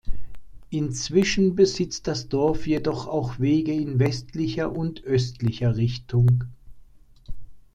Inzwischen besitzt das Dorf jedoch auch Wege in westlicher und östlicher Richtung.